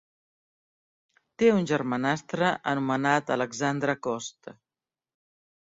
Té un germanastre anomenat Alexandre Coste.